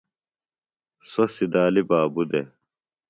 سوۡ سِدالی بابوۡ دےۡ